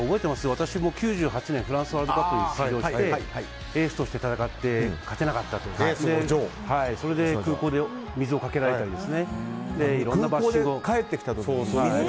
私も９８年、フランスワールドカップに出場してエースとして戦って勝てなかったとかそれで空港で水をかけられたりいろんなバッシングを。